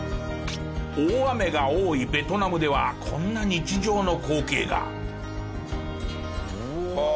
大雨が多いベトナムではこんな日常の光景が。はあ。